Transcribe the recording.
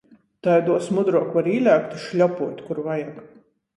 Taiduos mudruok var īlēkt i šļopuot, kur vajag.